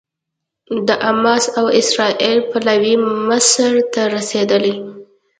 د حماس او اسرائیل پلاوي مصر ته رسېدلي